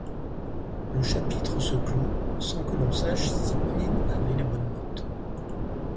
Le chapitre se clôt sans que l’on sache si Pnine avait les bonnes notes.